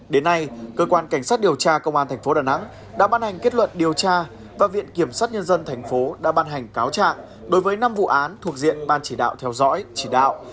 đến nay cơ quan cảnh sát điều tra công an tp đà nẵng đã ban hành kết luận điều tra và viện kiểm sát nhân dân tp đã ban hành cáo trạng đối với năm vụ án thuộc diện ban chỉ đạo theo dõi chỉ đạo